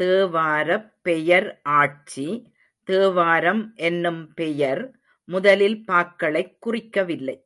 தேவாரப் பெயர் ஆட்சி தேவாரம் என்னும் பெயர் முதலில் பாக்களைக் குறிக்கவில்லை.